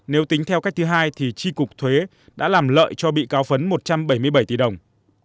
nếu tính theo cách thứ hai thì tri cục thuế đã làm lợi cho bị cáo phấn một trăm bảy mươi bảy tỷ đồng